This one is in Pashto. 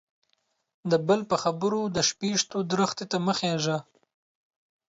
د بل په خبرو د شپيشتو درختي ته مه خيژه.